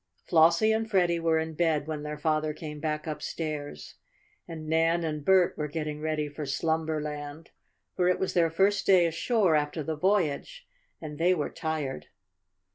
Flossie and Freddie were in bed when their father came back upstairs, and Nan and Bert were getting ready for Slumberland, for it was their first day ashore after the voyage, and they were tired.